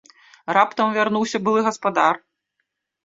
Раптам вярнуўся былы гаспадар?